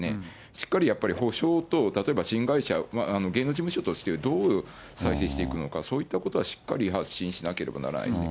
しっかりやっぱり補償と、例えば新会社、芸能事務所としてどう再生していくのか、そういったことはしっかり発信しなければならないですね。